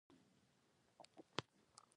وروسته بزګرۍ او مالدارۍ ډیر تکامل وکړ.